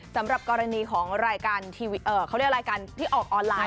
สำหรับกรณีของรายการเขาเรียกรายการที่ออกออนไลน์